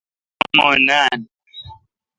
تین اوما ناین۔